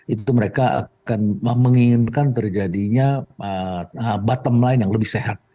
itu mereka akan menginginkan terjadinya bottom line yang lebih sehat